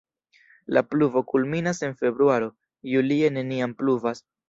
La pluvo kulminas en februaro, julie neniam pluvas.